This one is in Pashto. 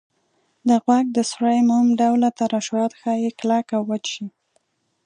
د غوږ د سوري موم ډوله ترشحات ښایي کلک او وچ شي.